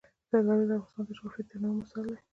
زردالو د افغانستان د جغرافیوي تنوع مثال دی.